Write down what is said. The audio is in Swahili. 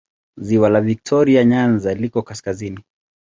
Ziwa la Viktoria Nyanza liko kaskazini.